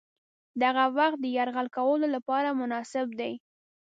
دغه وخت د یرغل کولو لپاره مناسب دی.